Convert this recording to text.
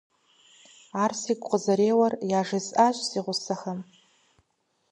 Ар сигу къызэреуэр яжесӀащ си гъусэхэм.